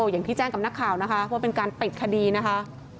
อย่างที่แจ้งกับนักข่าวนะคะว่าเป็นการปิดคดีนะคะ